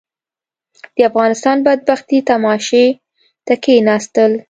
د افغانستان بدبختي تماشې ته کښېناستل.